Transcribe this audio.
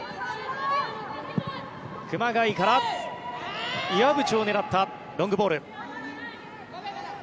熊谷から岩渕を狙ったロングボール。